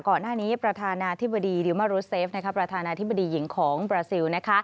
ก่อนหน้านี้ประธานาธิบดีดิวมารุเซฟประธานาธิบดีหญิงของบราซิล